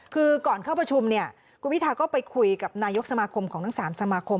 คือก่อนเข้าประชุมเนี่ยคุณพิทาก็ไปคุยกับนายกสมาคมของทั้ง๓สมาคม